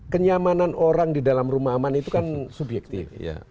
kenyamanan orang di dalam rumah aman itu kan subjektif